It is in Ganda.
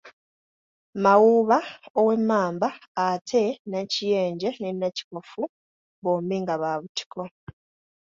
Mawuuba ow'Emmamba, ate Nakiyenje ne Nakikofu bombi nga ba Butiko.